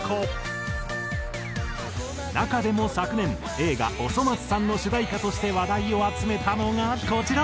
中でも昨年映画『おそ松さん』の主題歌として話題を集めたのがこちら。